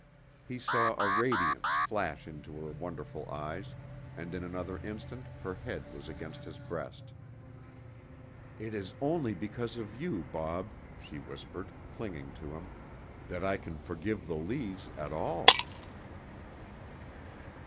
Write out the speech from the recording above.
He saw a radiance flash into her wonderful eyes, and in another instant her head was against his breast. "It is only because of you, Bob," she whispered, clinging to him, "that I can forgive the Lees at all."